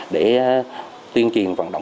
để tuyên truyền vận động